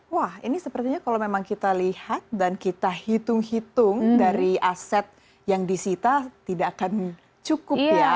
wah ini sepertinya kalau memang kita lihat dan kita hitung hitung dari aset yang disita tidak akan cukup ya